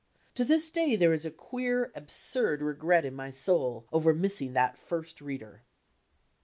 To this day there is a queer, absurd regret in my soul over missing that First Reader.